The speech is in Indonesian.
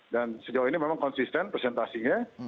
dan sejauh ini memang konsisten presentasinya